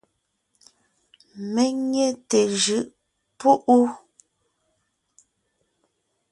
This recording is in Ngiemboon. Mé nyé té jʉʼ púʼu.